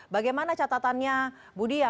bagaimana catatannya budi ya